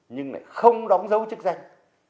nhưng lại không đóng dấu chức danh